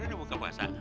rere udah buka bahasa